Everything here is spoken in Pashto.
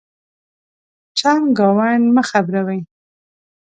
چمګاونډ مه خبرَوئ.